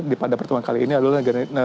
di pada pertemuan kali ini adalah